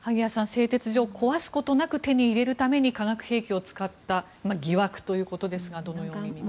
製鉄所を壊すことなく手に入れるために化学兵器を使った疑惑ということですがどのように見ますか？